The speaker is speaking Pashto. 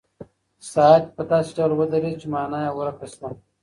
ساعت په داسې ډول ودرېد چې مانا یې ورکه شوه.